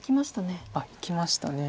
いきましたね。